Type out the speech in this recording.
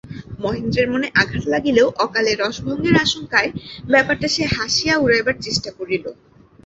মহেন্দ্রের মনে আঘাত লাগিলেও, অকালে রসভঙ্গের আশঙ্কায় ব্যাপারটা সে হাসিয়া উড়াইবার চেষ্টা করিল।